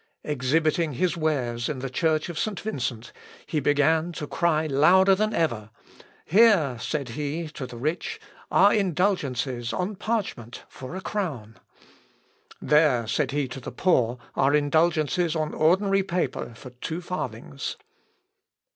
Exhibiting his wares in the church of St. Vincent he began to cry louder than ever. "Here," said he to the rich, "are indulgences on parchment for a crown." "There," said he to the poor, "are indulgences on ordinary paper for two farthings!"